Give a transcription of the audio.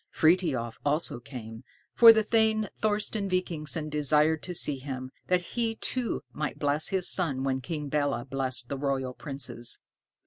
Frithiof also came, for the thane Thorsten Vikingsson desired to see him, that he too might bless his son when King Belé blessed the royal princes.